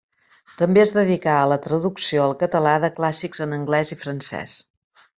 També es dedicà a la traducció al català de clàssics en anglès i francès.